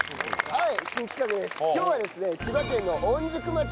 はい。